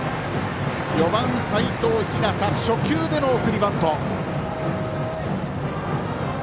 ４番、齋藤陽初球での送りバント。